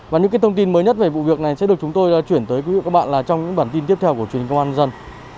và những thông tin mới nhất về vụ việc này sẽ được chúng tôi chuyển tới quý vị các bạn trong những bản tin tiếp theo của truyền hình công an dân